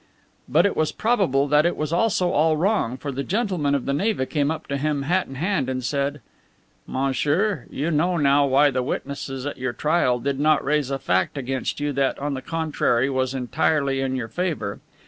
But it was probable that it was also all wrong, for the gentleman of the Neva came up to him hat in hand and said: "Monsieur, you know now why the witnesses at your trial did not raise a fact against you that, on the contrary, was entirely in your favor.